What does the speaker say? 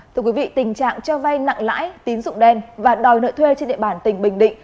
tình trạng cho vay nặng lãi tín dụng đen và đòi nợ thuê trên địa bản tỉnh bình định